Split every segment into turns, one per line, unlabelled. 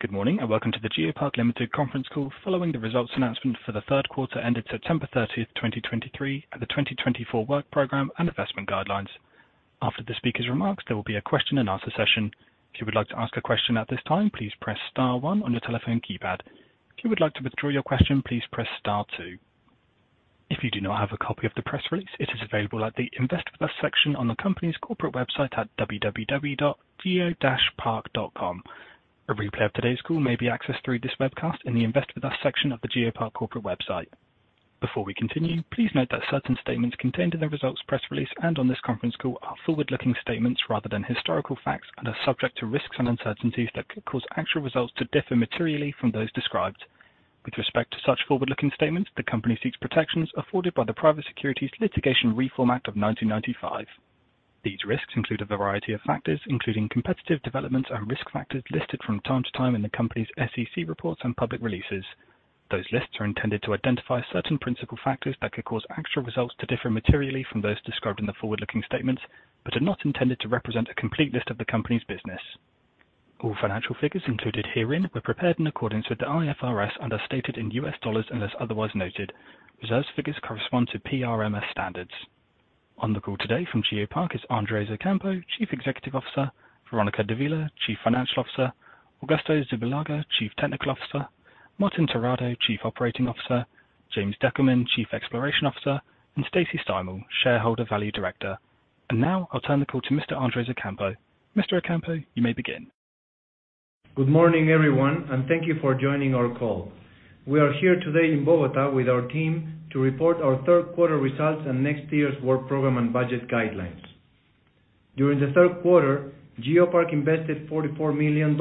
Good morning, and welcome to the GeoPark Limited conference call, following the results announcement for the third quarter, ended September 30, 2023, and the 2024 work program and investment guidelines. After the speaker's remarks, there will be a question and answer session. If you would like to ask a question at this time, please press star one on your telephone keypad. If you would like to withdraw your question, please press star two. If you do not have a copy of the press release, it is available at the Invest With Us section on the company's corporate website at www.geopark.com. A replay of today's call may be accessed through this webcast in the Invest With Us section of the GeoPark corporate website. Before we continue, please note that certain statements contained in the results press release and on this conference call are forward-looking statements rather than historical facts, and are subject to risks and uncertainties that could cause actual results to differ materially from those described. With respect to such forward-looking statements, the company seeks protections afforded by the Private Securities Litigation Reform Act of 1995. These risks include a variety of factors, including competitive developments and risk factors listed from time to time in the company's SEC reports and public releases. Those lists are intended to identify certain principal factors that could cause actual results to differ materially from those described in the forward-looking statements, but are not intended to represent a complete list of the company's business. All financial figures included herein were prepared in accordance with the IFRS and are stated in U.S. dollars, unless otherwise noted. Reserves figures correspond to PRMS standards. On the call today from GeoPark is Andrés Ocampo, Chief Executive Officer, Verónica Dávila, Chief Financial Officer, Augusto Zubillaga, Chief Technical Officer, Martín Terrado, Chief Operating Officer, James Deckelman, Chief Exploration Officer, and Stacy Steimel, Shareholder Value Director. And now, I'll turn the call to Mr. Andrés Ocampo. Mr. Ocampo, you may begin.
Good morning, everyone, and thank you for joining our call. We are here today in Bogotá with our team to report our third quarter results and next year's work program and budget guidelines. During the third quarter, GeoPark invested $44 million,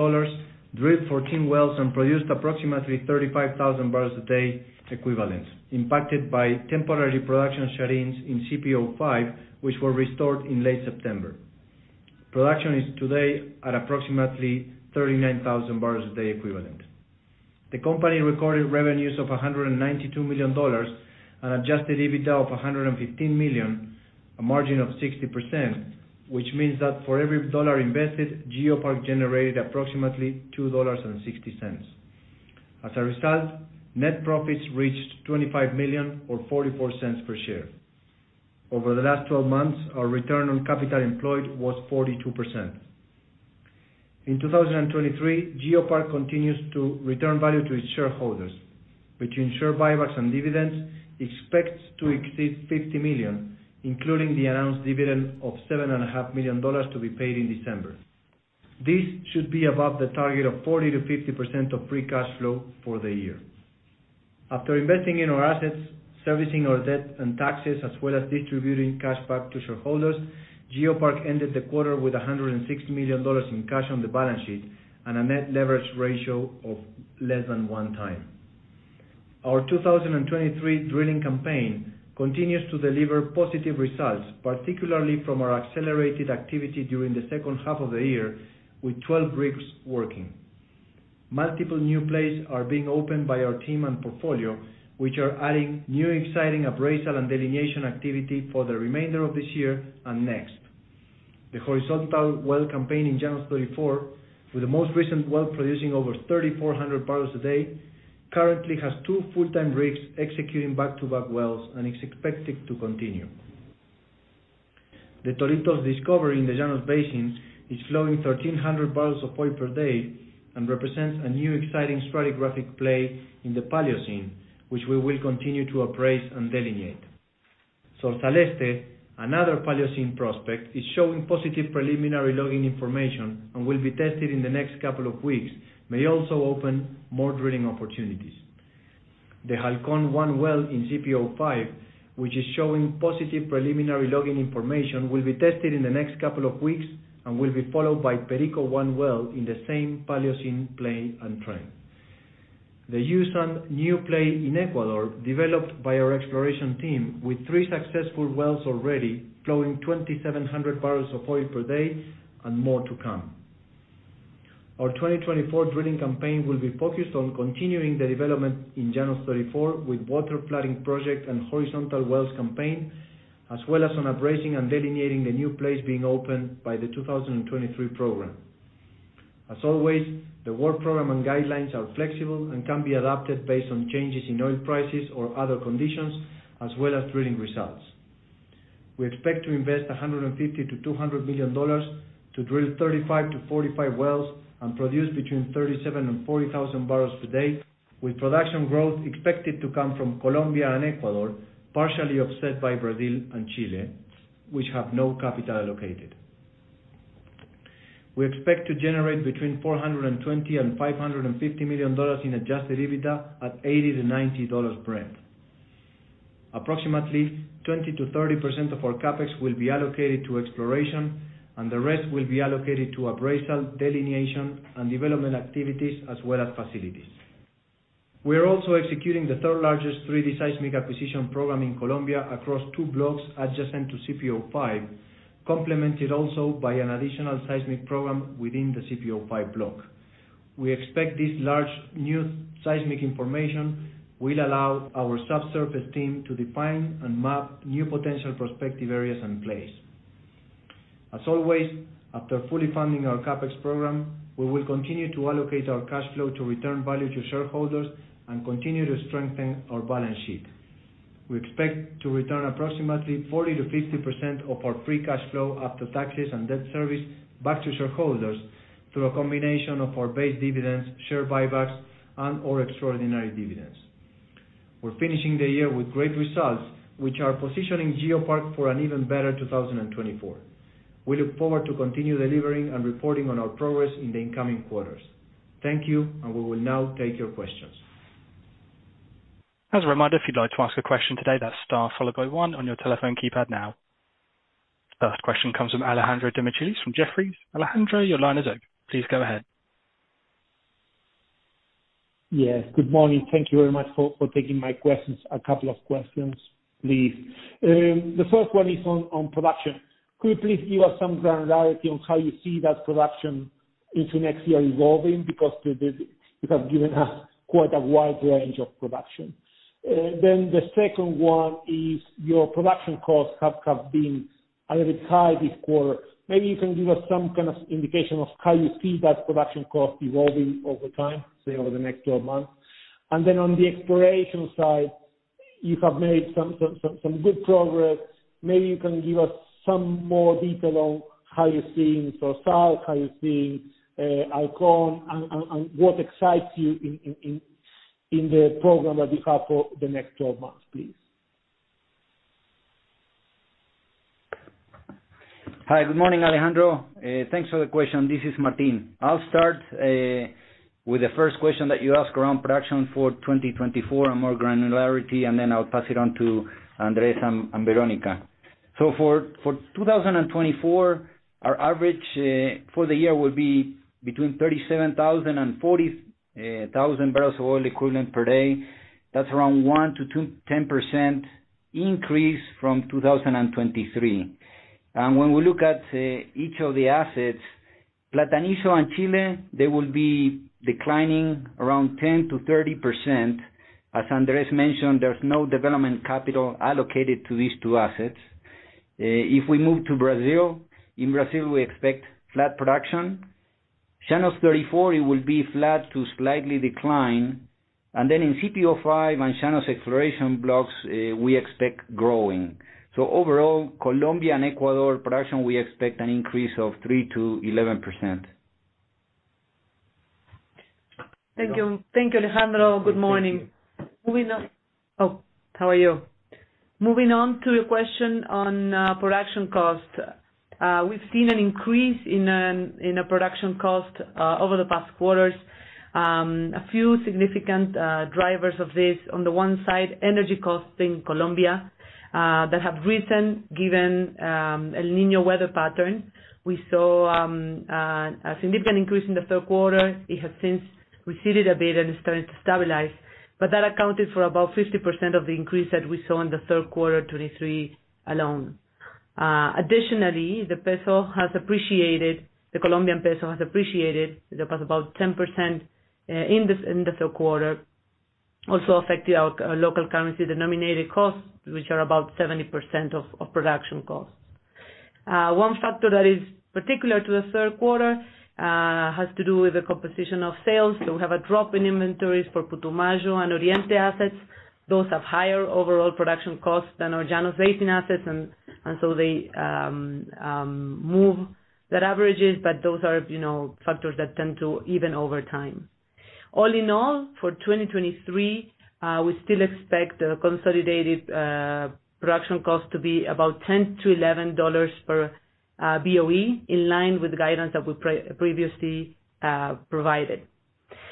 drilled 14 wells, and produced approximately 35,000 barrels a day equivalent, impacted by temporary production shut-ins in CPO-5, which were restored in late September. Production is today at approximately 39,000 barrels a day equivalent. The company recorded revenues of $192 million and Adjusted EBITDA of $115 million, a margin of 60%, which means that for every dollar invested, GeoPark generated approximately $2.60. As a result, net profits reached $25 million or $0.44 per share. Over the last 12 months, our return on capital employed was 42%. In 2023, GeoPark continues to return value to its shareholders, between share buybacks and dividends, expects to exceed $50 million, including the announced dividend of $7.5 million to be paid in December. This should be above the target of 40%-50% of free cash flow for the year. After investing in our assets, servicing our debt and taxes, as well as distributing cash back to shareholders, GeoPark ended the quarter with $160 million in cash on the balance sheet and a net leverage ratio of less than 1x. Our 2023 drilling campaign continues to deliver positive results, particularly from our accelerated activity during the second half of the year, with 12 rigs working. Multiple new plays are being opened by our team and portfolio, which are adding new, exciting appraisal and delineation activity for the remainder of this year and next. The horizontal well campaign in Llanos 34, with the most recent well producing over 3,400 barrels a day, currently has two full-time rigs executing back-to-back wells and is expected to continue. The Toritos discovery in the Llanos Basin is flowing 1,300 barrels of oil per day and represents a new exciting stratigraphic play in the Paleocene, which we will continue to appraise and delineate. Zorzal Este, another Paleocene prospect, is showing positive preliminary logging information and will be tested in the next couple of weeks, may also open more drilling opportunities. The Halcón 1 well in CPO-5, which is showing positive preliminary logging information, will be tested in the next couple of weeks and will be followed by Perico 1 well in the same Paleocene play and trend. The U-san new play in Ecuador, developed by our exploration team with 3 successful wells already, flowing 2,700 barrels of oil per day and more to come. Our 2024 drilling campaign will be focused on continuing the development in Llanos 34 with water flooding project and horizontal wells campaign, as well as on appraising and delineating the new plays being opened by the 2023 program. As always, the work program and guidelines are flexible and can be adapted based on changes in oil prices or other conditions, as well as drilling results. We expect to invest $150-$200 million to drill 35-45 wells and produce between 37,000 and 40,000 barrels per day, with production growth expected to come from Colombia and Ecuador, partially offset by Brazil and Chile, which have no capital allocated. We expect to generate $420-$550 million in Adjusted EBITDA at $80-$90 Brent. Approximately 20%-30% of our CapEx will be allocated to exploration, and the rest will be allocated to appraisal, delineation, and development activities, as well as facilities. We are also executing the third-largest 3-D seismic acquisition program in Colombia across two blocks adjacent to CPO-5, complemented also by an additional seismic program within the CPO-5 block. We expect this large, new seismic information will allow our subsurface team to define and map new potential prospective areas in place. As always, after fully funding our CapEx program, we will continue to allocate our cash flow to return value to shareholders and continue to strengthen our balance sheet. We expect to return approximately 40%-50% of our free cash flow after taxes and debt service back to shareholders through a combination of our base dividends, share buybacks, and/or extraordinary dividends. We're finishing the year with great results, which are positioning GeoPark for an even better 2024. We look forward to continue delivering and reporting on our progress in the incoming quarters. Thank you, and we will now take your questions.
As a reminder, if you'd like to ask a question today, that's star followed by one on your telephone keypad now. First question comes from Alejandro Demichelis from Jefferies. Alejandro, your line is open. Please go ahead.
Yes, good morning. Thank you very much for taking my questions. A couple of questions, please. The first one is on production. Could you please give us some granularity on how you see that production into next year evolving? Because you have given us quite a wide range of production. Then the second one is, your production costs have been a little bit high this quarter. Maybe you can give us some kind of indication of how you see that production cost evolving over time, say, over the next twelve months. And then on the exploration side, you have made some good progress. Maybe you can give us some more detail on how you're seeing Zorzal, how you're seeing Halcón, and what excites you in the program that you have for the next 12 months, please?
Hi, good morning, Alejandro. Thanks for the question. This is Martin. I'll start with the first question that you asked around production for 2024 and more granularity, and then I'll pass it on to Andrés and Verónica. For 2024, our average for the year will be between 37,000 and 40,000 barrels of oil equivalent per day. That's around 1%-10% increase from 2023. And when we look at each of the assets, Platanillo and Chile, they will be declining around 10%-30%. As Andrés mentioned, there's no development capital allocated to these two assets. If we move to Brazil, in Brazil, we expect flat production. Llanos 34, it will be flat to slightly decline. And then in CPO-5 and Llanos exploration blocks, we expect growing. Overall, Colombia and Ecuador production, we expect an increase of 3%-11%.
Thank you. Thank you, Alejandro. Good morning. Moving on. Oh, how are you? Moving on to your question on production cost. We've seen an increase in the production cost over the past quarters. A few significant drivers of this, on the one side, energy costs in Colombia that have risen given El Niño weather pattern. We saw a significant increase in the third quarter. It has since receded a bit and is starting to stabilize, but that accounted for about 50% of the increase that we saw in the third quarter 2023 alone. Additionally, the peso has appreciated, the Colombian peso has appreciated about 10%, in the third quarter, also affecting our local currency, the denominated costs, which are about 70% of production costs. One factor that is particular to the third quarter has to do with the composition of sales. So we have a drop in inventories for Putumayo and Oriente assets. Those have higher overall production costs than our Llanos Basin assets, and, and so they move the averages, but those are, you know, factors that tend to even over time. All in all, for 2023, we still expect the consolidated production cost to be about $10-$11 per BOE, in line with the guidance that we previously provided.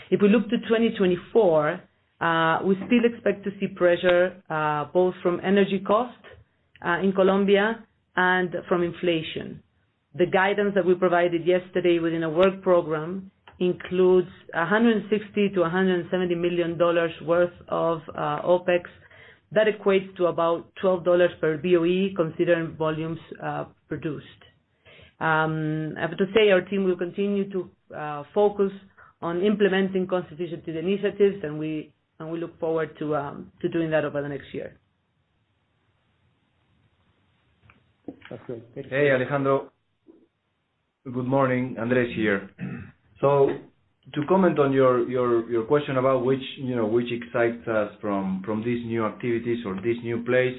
If we look to 2024, we still expect to see pressure both from energy costs in Colombia and from inflation. The guidance that we provided yesterday within the work program includes $160 million-$170 million worth of OpEx. That equates to about $12 per BOE, considering volumes produced. I have to say, our team will continue to focus on implementing cost efficiency initiatives, and we look forward to doing that over the next year.
That's it. Thank you.
Hey, Alejandro. Good morning, Andrés here. So to comment on your question about which, you know, which excites us from these new activities or this new place,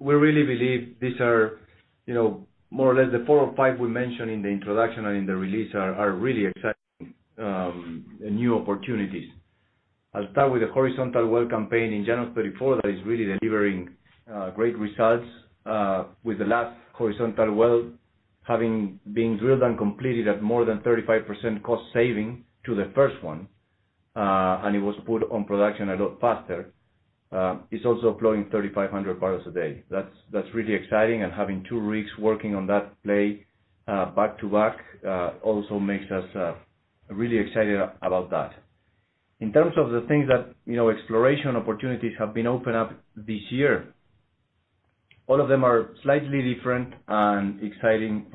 we really believe these are, you know, more or less the four or five we mentioned in the introduction and in the release are really exciting new opportunities. I'll start with the horizontal well campaign in Llanos 34. That is really delivering great results with the last horizontal well having been drilled and completed at more than 35% cost saving to the first one, and it was put on production a lot faster. It's also flowing 3,500 barrels a day. That's really exciting and having two rigs working on that play back-to-back also makes us really excited about that. In terms of the things that, you know, exploration opportunities have been opened up this year, all of them are slightly different and exciting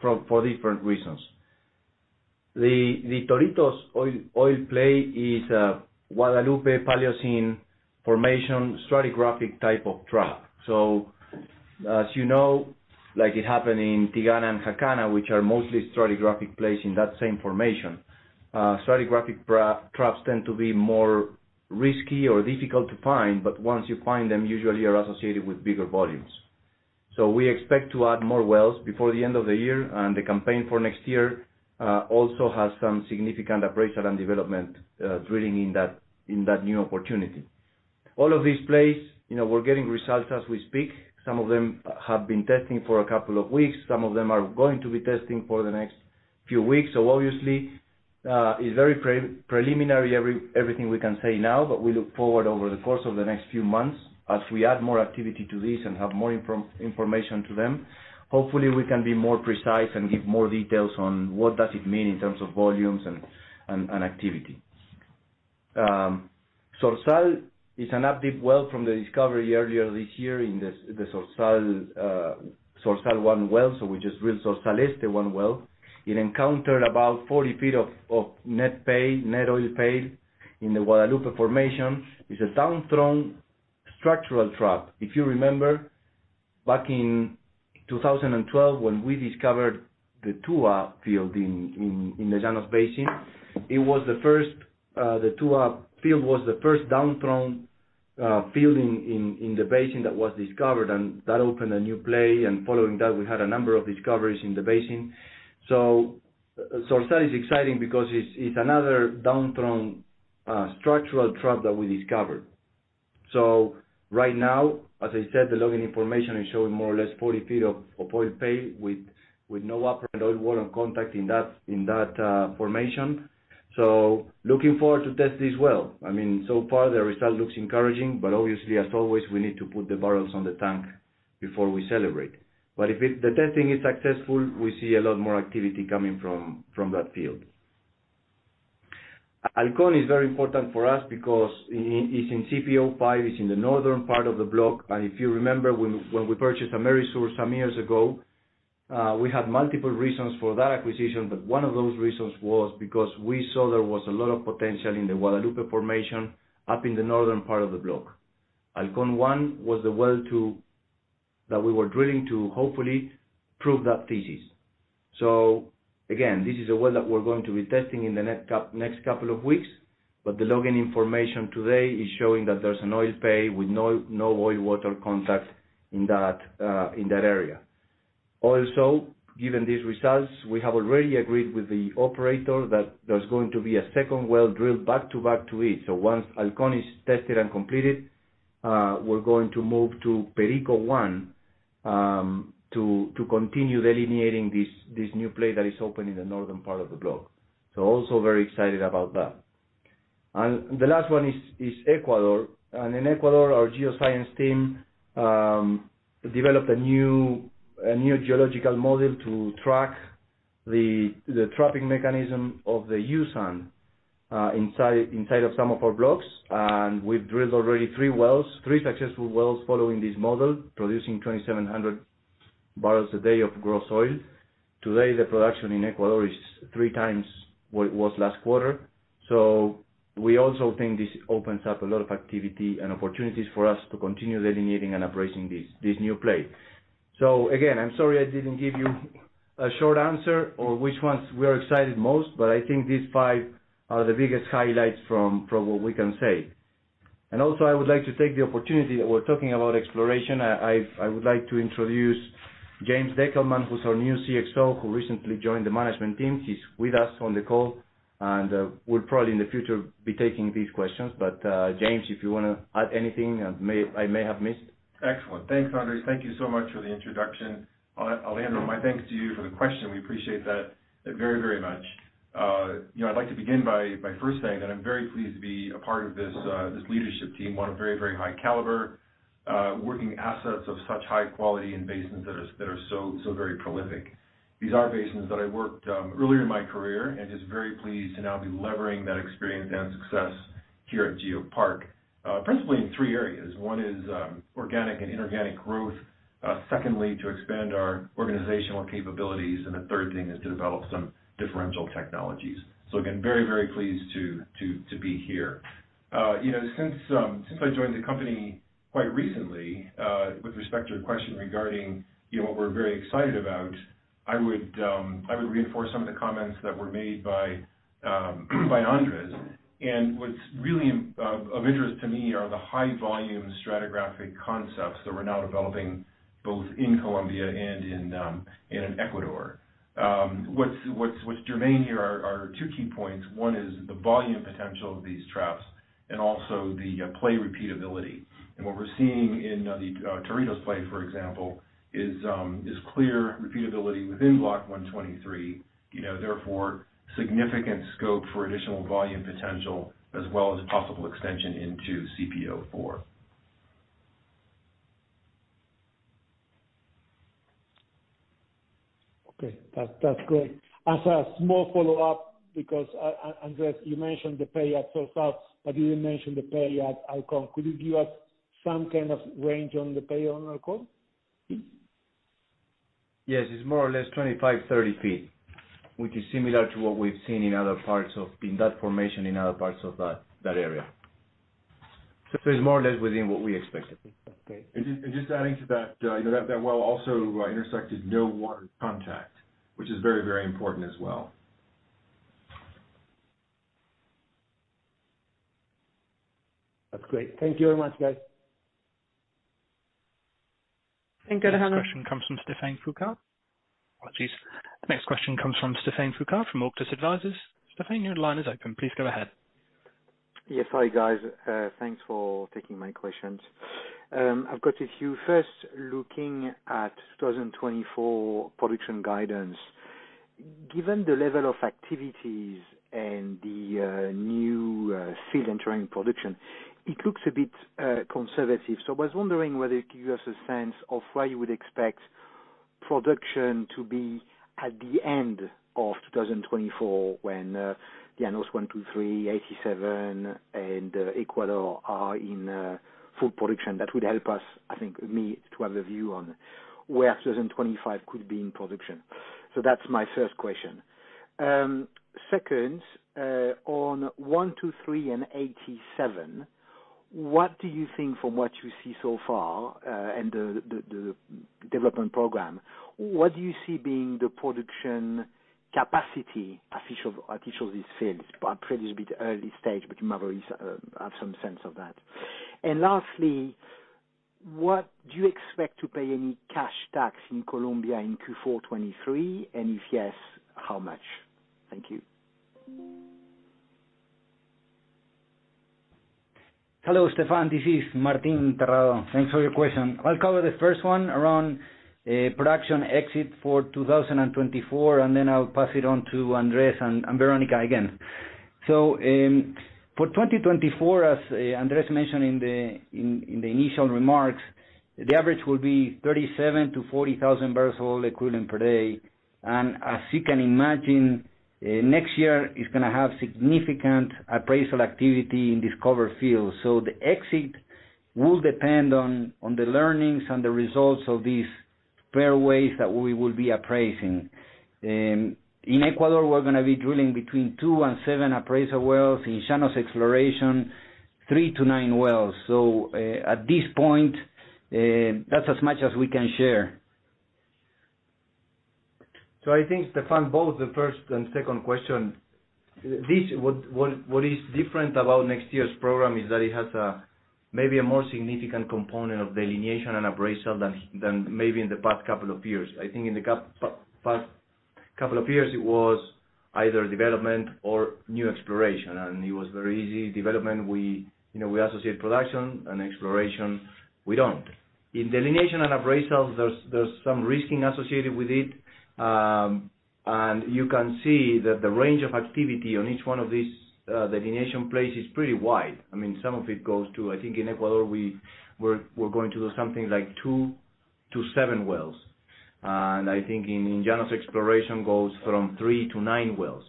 for different reasons. The Toritos oil play is Guadalupe Paleocene Formation stratigraphic type of trap. So as you know, like it happened in Tigana and Jacana, which are mostly stratigraphic plays in that same formation, stratigraphic traps tend to be more risky or difficult to find, but once you find them, usually are associated with bigger volumes. So we expect to add more wells before the end of the year, and the campaign for next year also has some significant appraisal and development drilling in that new opportunity. All of these plays, you know, we're getting results as we speak. Some of them have been testing for a couple of weeks, some of them are going to be testing for the next few weeks. So obviously, it's very preliminary everything we can say now, but we look forward over the course of the next few months as we add more activity to this and have more information to them. Hopefully, we can be more precise and give more details on what does it mean in terms of volumes and activity. Zorzal is an active well from the discovery earlier this year in the Zorzal 1 well, so we just drilled Zorzal Este 1 well. It encountered about 40 feet of net pay, net oil pay in the Guadalupe Formation. It's a downthrown structural trap. If you remember, back in 2012, when we discovered the Tua field in the Llanos Basin, it was the first, the Tua field was the first downthrown field in the basin that was discovered, and that opened a new play, and following that, we had a number of discoveries in the basin. So Zorzal is exciting because it's, it's another downthrown structural trap that we discovered. So right now, as I said, the logging information is showing more or less 40 feet of oil pay with no upper oil water contact in that formation. So looking forward to test this well. I mean, so far the result looks encouraging, but obviously, as always, we need to put the barrels on the tank before we celebrate. But if the testing is successful, we see a lot more activity coming from that field. Halcón is very important for us because it is in CPO-5, it is in the northern part of the block. And if you remember, when we purchased Amerisur some years ago, we had multiple reasons for that acquisition, but one of those reasons was because we saw there was a lot of potential in the Guadalupe Formation up in the northern part of the block. Halcón 1 was the well to that we were drilling to hopefully prove that thesis. So again, this is a well that we are going to be testing in the next couple of weeks, but the logging information today is showing that there is an oil pay with no oil-water contact in that area. Also, given these results, we have already agreed with the operator that there's going to be a second well drilled back-to-back to it. So once Halcón is tested and completed, we're going to move to Perico 1, to continue delineating this new play that is open in the northern part of the block. So also very excited about that. And the last one is Ecuador. And in Ecuador, our geoscience team developed a new geological model to track the trapping mechanism of the Usan inside of some of our blocks. And we've drilled already three wells, three successful wells following this model, producing 2,700 barrels a day of gross oil. Today, the production in Ecuador is three times what it was last quarter. So we also think this opens up a lot of activity and opportunities for us to continue delineating and operating this new play. So again, I'm sorry I didn't give you a short answer or which ones we are excited most, but I think these five are the biggest highlights from what we can say. And also, I would like to take the opportunity that we're talking about exploration. I would like to introduce James Deckelman, who's our new CXO, who recently joined the management team. He's with us on the call, and will probably in the future be taking these questions. But James, if you wanna add anything that I may have missed.
Excellent. Thanks, Andrés. Thank you so much for the introduction. Alejandro, my thanks to you for the question. We appreciate that, very, very much. You know, I'd like to begin by first saying that I'm very pleased to be a part of this, this leadership team, one of very, very high caliber, working assets of such high quality and basins that are so very prolific. These are basins that I worked earlier in my career and just very pleased to now be levering that experience and success here at GeoPark, principally in three areas. One is organic and inorganic growth. Secondly, to expand our organizational capabilities, and the third thing is to develop some differential technologies. So again, very, very pleased to be here. You know, since I joined the company quite recently, with respect to your question regarding, you know, what we're very excited about, I would reinforce some of the comments that were made by Andrés. And what's really of interest to me are the high-volume stratigraphic concepts that we're now developing both in Colombia and in Ecuador. What's germane here are two key points. One is the volume potential of these traps and also the play repeatability. And what we're seeing in the Toritos play, for example, is clear repeatability within Block 123, you know, therefore, significant scope for additional volume potential, as well as possible extension into CPO-4.
Okay, that's, that's great. As a small follow-up, because Andrés, you mentioned the pay at Zorzal, but you didn't mention the pay at Halcón. Could you give us some kind of range on the pay on Halcón? Hmm?
Yes, it's more or less 25-30 feet, which is similar to what we've seen in other parts of, in that formation, in other parts of that, that area. So it's more or less within what we expected.
And just adding to that, you know, that well also intersected no water contact, which is very, very important as well.
That's great. Thank you very much, guys.
Thank you. The next question comes from Stephane Foucaud. Excuse me. The next question comes from Stephane Foucaud from Auctus Advisors. Stephane, your line is open. Please go ahead.
Yes. Hi, guys. Thanks for taking my questions. I've got a few. First, looking at 2024 production guidance. Given the level of activities and the new field entering production, it looks a bit conservative. So I was wondering whether you could give us a sense of where you would expect production to be at the end of 2024 when Llanos 123, Llanos 87, and Ecuador are in full production. That would help us, I think me, to have a view on where 2025 could be in production. So that's my first question. Second, on 123 and 87, what do you think from what you see so far, and the development program, what do you see being the production capacity of each of each of these fields? But I'm pretty a bit early stage, but you maybe have some sense of that. And lastly, what do you expect to pay any cash tax in Colombia in Q4 2023? And if yes, how much? Thank you.
Hello, Stephane, this is Martín Terrado. Thanks for your question. I'll cover the first one around production exit for 2024, and then I'll pass it on to Andrés and Verónica again. So, for 2024, as Andrés mentioned in the initial remarks, the average will be 37,000-40,000 barrels of oil equivalent per day. And as you can imagine, next year is gonna have significant appraisal activity in discovered fields. So the exit will depend on the learnings and the results of these fairways that we will be appraising. In Ecuador, we're gonna be drilling between two and seven appraisal wells, in Llanos Exploration, three to nine wells. So, at this point, that's as much as we can share.
So I think, Stephane, both the first and second question, this, what is different about next year's program is that it has a, maybe a more significant component of delineation and appraisal than, than maybe in the past couple of years. I think in the past couple of years, it was either development or new exploration, and it was very easy. Development, we, you know, we associate production and exploration, we don't. In delineation and appraisal, there's some risking associated with it, and you can see that the range of activity on each one of these, delineation plays is pretty wide. I mean, some of it goes to... I think in Ecuador, we're going to do something like two to seven wells. And I think in Llanos Exploration goes from three to nine wells.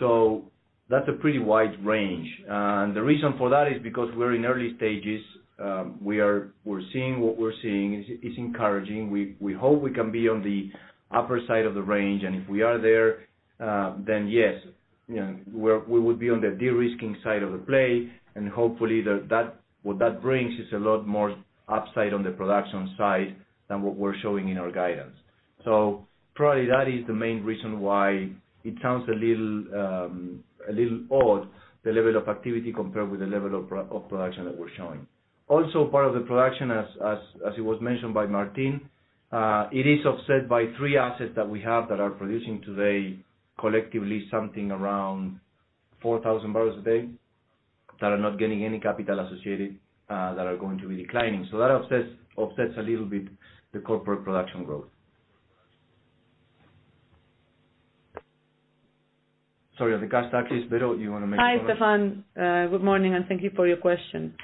So that's a pretty wide range. The reason for that is because we're in early stages, we are seeing what we're seeing. It's encouraging. We hope we can be on the upper side of the range, and if we are there, then yes, you know, we would be on the de-risking side of the play, and hopefully that what that brings is a lot more upside on the production side than what we're showing in our guidance. So probably that is the main reason why it sounds a little odd, the level of activity compared with the level of production that we're showing. Also, part of the production, as it was mentioned by Martin, it is offset by three assets that we have that are producing today, collectively, something around 4,000 barrels a day, that are not getting any capital associated, that are going to be declining. So that offsets a little bit the corporate production growth. Sorry, on the cash taxes, Vero, you wanna make-
Hi, Stephane. Good morning and thank you for your question.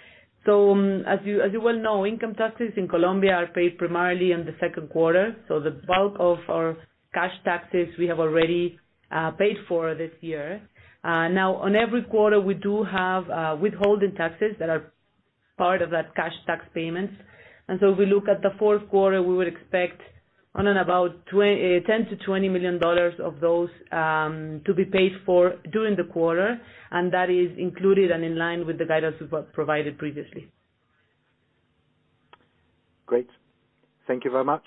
So as you, as you well know, income taxes in Colombia are paid primarily in the second quarter. So the bulk of our cash taxes, we have already paid for this year. Now, on every quarter, we do have withholding taxes that are part of that cash tax payments. And so if we look at the fourth quarter, we would expect on and about $10 million-$20 million of those to be paid for during the quarter, and that is included and in line with the guidance we've provided previously.
Great. Thank you very much.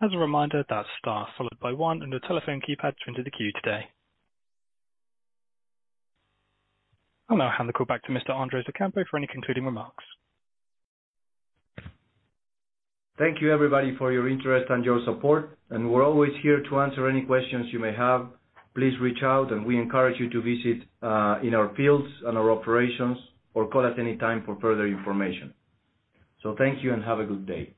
As a reminder, that's star followed by one on your telephone keypad to enter the queue today. I'll now hand the call back to Mr. Andrés Ocampo for any concluding remarks.
Thank you, everybody, for your interest and your support, and we're always here to answer any questions you may have. Please reach out, and we encourage you to visit in our fields and our operations, or call us anytime for further information. Thank you and have a good day.